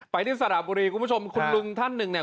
ที่สระบุรีคุณผู้ชมคุณลุงท่านหนึ่งเนี่ย